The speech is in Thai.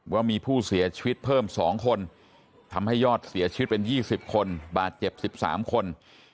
ว่ามีผู้เสียชีวิตเพิ่ม๒คนทำให้ยอดเสียชีวิตเป็น๒๐คนบาดเจ็บ๑๓คน